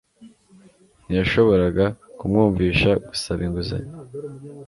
Ntiyashoboraga kumwumvisha gusaba inguzanyo